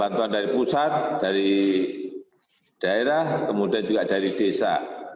bantuan dari pusat dari daerah kemudian juga dari desa